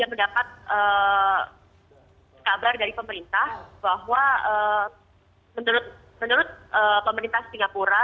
dan mendapat kabar dari pemerintah bahwa menurut pemerintah singapura